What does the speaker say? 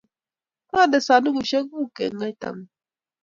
kande sandukushe kuuk eng kaita ngung.